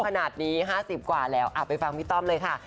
ขนาดนี้๕๐กว่าแล้วไปฟังพี่ต้อมเลยค่ะ